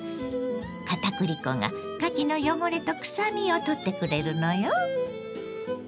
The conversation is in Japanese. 片栗粉がかきの汚れとくさみを取ってくれるのよ。